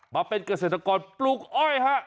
มาเป็นเกษตรกรปลูกอ้อยฮะ